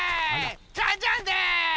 ジャンジャンです！